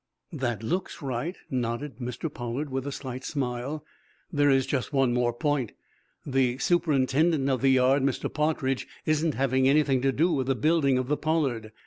"That looks right," nodded Mr. Pollard, with a slight smile. "There is just one more point. The superintendent of the yard, Mr. Partridge, isn't having anything to do with the building of the 'Pollard.'